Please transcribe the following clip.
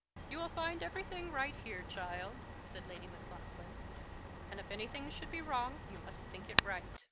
"You will find everything right here, child," said Lady Maclaughlan; "and if anything should be wrong you must think it right.